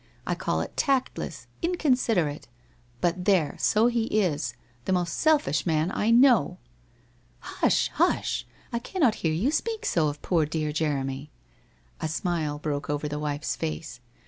I call it tactless — inconsiderate — but there, so he is ! the most selfish man I know !'' Hush ! Hush ! I cannot hear you speak so of poor dear Jeremy.' A smile broke over the wife's face.